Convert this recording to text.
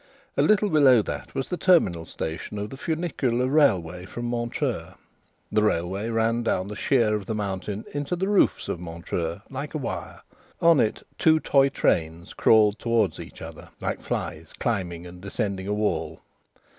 A little below that was the terminal station of the funicular railway from Montreux. The railway ran down the sheer of the mountain into the roofs of Montreux, like a wire. On it, two toy trains crawled towards each other, like flies climbing and descending a wall.